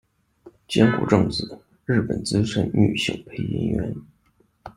菅谷政子，日本资深女性配音员。